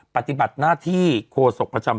ปฏิบัติหน้าที่โคศกประจำ